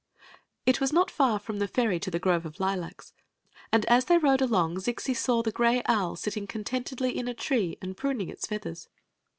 It was not far from the ferry to the grove of lilacs, and as they rode along Zixi saw the gray owl sitting contentedly in a tree and pruning its feathers.